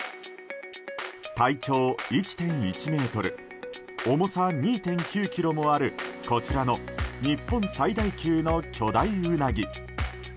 体長１．１ｍ重さ２．９ｋｇもあるこちらの日本最大級の巨大ウナギ。